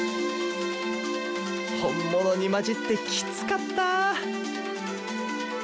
本物に交じってキツかった！